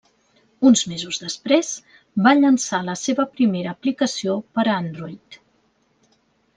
Uns mesos després, va llançar la seva primera aplicació per a Android.